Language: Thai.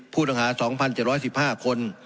ผู้ต้องหา๒๗๑๕คน